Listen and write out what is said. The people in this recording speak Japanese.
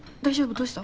どうした？